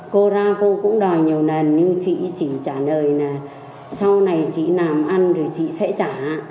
cô ra cô cũng đòi nhiều lần nhưng chị chỉ trả lời là sau này chị làm ăn rồi chị sẽ trả